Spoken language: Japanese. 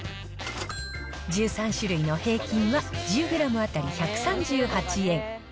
１３種類の平均は１０グラム当たり１３８円。